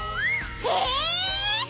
え！？